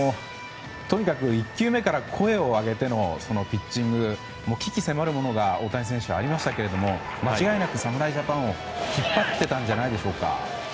とにかく１球目から声を上げてのピッチング鬼気迫るものが大谷選手、ありましたけれども間違いなく侍ジャパンを引っ張っていたんじゃないでしょうか。